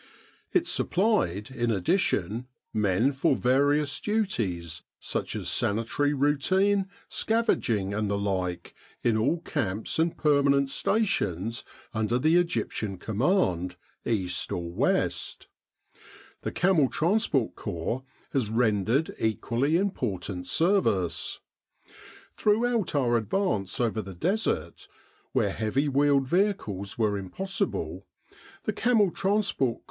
It supplied, in addition, men for various duties, such as sanitary routine, scavenging and the like, in all camps and permanent stations under the Egyptian Command, east or west. The Camel Transport Corps has ren dered equally important service. Throughout our advance over the Desert, where heavy wheeled vehicles were impossible, the C.T.C.